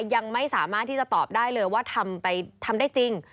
ยังไม่สามารถที่จะตอบได้เลยว่าทำได้จริง